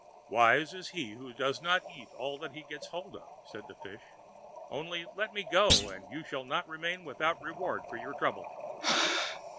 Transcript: "Wise is he who does not eat all he gets hold of," said the fish; "only let me go, and you shall not remain without reward for your trouble."